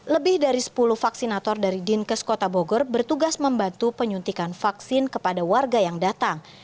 lebih dari sepuluh vaksinator dari dinkes kota bogor bertugas membantu penyuntikan vaksin kepada warga yang datang